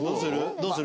どうする？